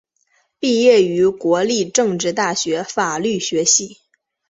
毕业于国立政治大学法律学系。